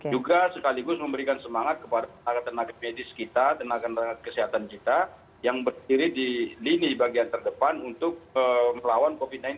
juga sekaligus memberikan semangat kepada tenaga tenaga medis kita tenaga tenaga kesehatan kita yang berdiri di lini bagian terdepan untuk melawan covid sembilan belas